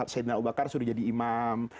saidina abu bakar sudah jadi imam